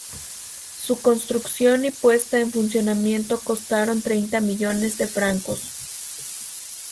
Su construcción y puesta en funcionamiento costaron treinta millones de francos.